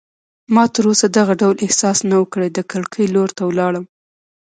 ما تراوسه دغه ډول احساس نه و کړی، د کړکۍ لور ته ولاړم.